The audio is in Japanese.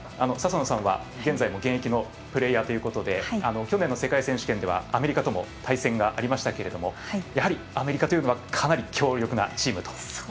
笹野さんは、現在も現役のプレーヤーということで去年の世界選手権ではアメリカとの対戦がありましたがやはりアメリカというのはかなり強力なチームと。